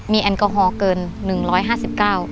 มีแอลกอฮอลเกิน๑๕๙บาท